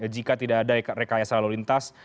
jika tidak ada rekayasa lalu lintas